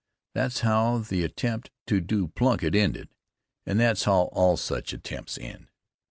That's how the attempt to do Plunkitt ended, and that's how all such attempts end.